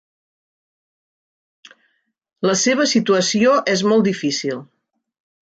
La seva situació és molt difícil.